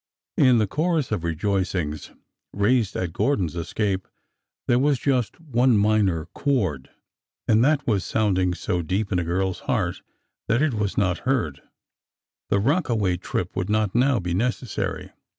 In the chorus of rejoicings raised at Gordon's escape, there was just one minor chord — and that was sounding so deep in a girl's heart that it was not heard— the rockaway trip would not now be necessary!